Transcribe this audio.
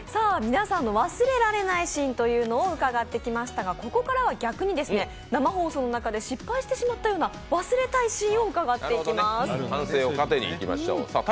皆さんの忘れられないシーンを伺ってきましたがここからは逆に、生放送の中で失敗してしまったような忘れたいシーンを伺っていきます。